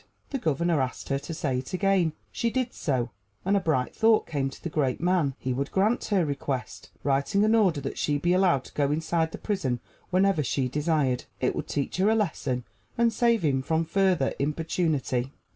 The Governor asked her to say it again. She did so, and a bright thought came to the great man: he would grant her request, writing an order that she be allowed to go inside the prison whenever she desired. It would teach her a lesson and save him from further importunity.